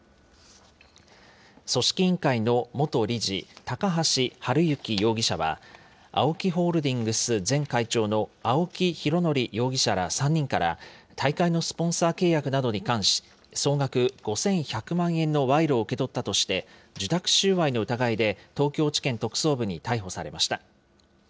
組織委員会の元理事、高橋治之容疑者は、ＡＯＫＩホールディングス前会長の青木拡憲容疑者ら３人から、大会のスポンサー契約などに関し、総額５１００万円の賄賂を受け取ったとして、受託収賄の疑いで東京地検特捜部に逮捕されました。